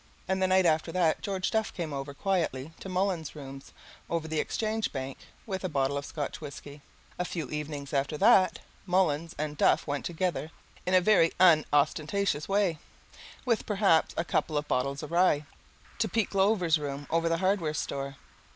And the night after that George Duff came over quietly to Mullins's rooms, over the Exchange Bank, with a bottle of Scotch whiskey. A few evenings after that Mullins and Duff went together, in a very unostentatious way, with perhaps a couple of bottles of rye, to Pete Glover's room over the hardware store.